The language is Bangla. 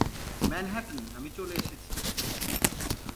ম্যানহাটন, আমি চলে এসেছি।